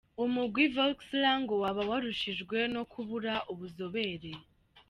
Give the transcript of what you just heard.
Umugwi Vorskla ngo woba warushijwe ku kubura ubuzobere.